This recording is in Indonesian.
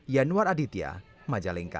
yanwar aditya majalengka